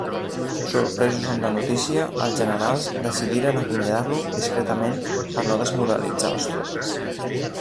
Sorpresos amb la notícia, els generals decidiren acomiadar-lo discretament per no desmoralitzar les tropes.